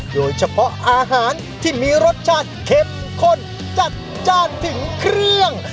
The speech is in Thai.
โดยเฉพาะอาหารที่มีรสชาติเข้มข้นจัดจ้านถึงเครื่อง